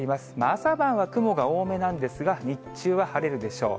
朝晩は雲が多めなんですが、日中は晴れるでしょう。